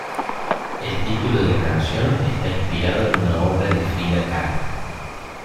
El título de la canción está inspirado en una obra de Frida Kahlo.